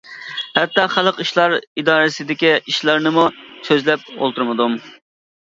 ھەتتا خەلق ئىشلار ئىدارىسىدىكى ئىشلارنىمۇ سۆزلەپ ئولتۇرمىدىم.